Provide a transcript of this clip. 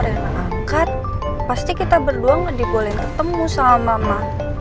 rena angkat pasti kita berdua gak diboleh ketemu sama mama